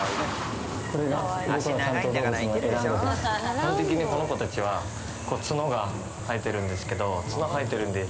基本的にこの子たちは角が生えてるんですけど角生えてるんで。